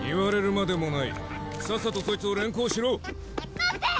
待って！